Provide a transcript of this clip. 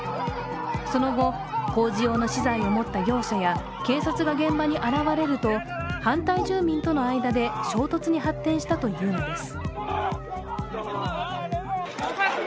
その後、工事用の資材を持った業者や警察が現場に現れると反対住民との間で衝突に発展したというのです。